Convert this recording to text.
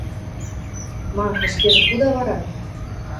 – Ма, ӹшкежӹ худа вара?